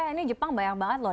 ini jepang bayang banget loh